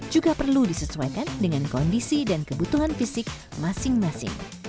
juga perlu disesuaikan dengan kondisi dan kebutuhan fisik masing masing